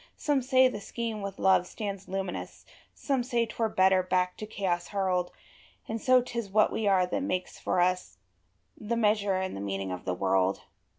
Some say the Scheme with love stands luminous, Some say 't were better back to chaos hurled; And so 't is what we are that makes for us The measure and the meaning of the world.